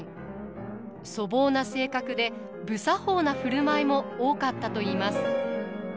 粗暴な性格で不作法な振る舞いも多かったといいます。